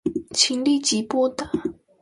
請立即撥打